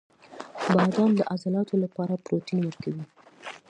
• بادام د عضلاتو لپاره پروټین ورکوي.